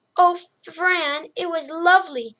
"Oh, Fran, it was lovely!"